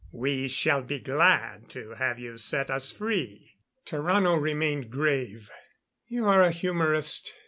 "We shall be glad to have you set us free." Tarrano remained grave. "You are a humorist.